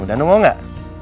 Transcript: danu mau nggak